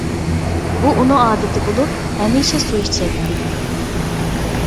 بۇ ئۇنىڭ ئادىتى بولۇپ، ھەمىشە سۇ ئىچەتتى.